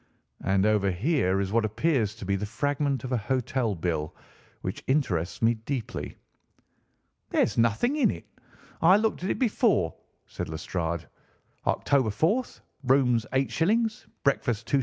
"And over here is what appears to be the fragment of a hotel bill, which interests me deeply." "There's nothing in it. I looked at it before," said Lestrade. "'Oct. 4th, rooms 8_s_., breakfast 2_s_.